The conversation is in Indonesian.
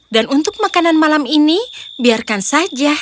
dan untuk makanan malam ini biarkan saja